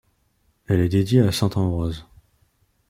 Elle est dédiée à saint Ambroise.